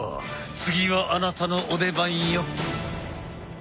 次はあなたのお出番よ。